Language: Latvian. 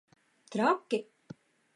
Traki.